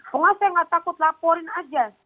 pengasih nggak takut laporin aja